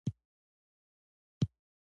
دوی د سوداګرۍ اړیکې لرلې.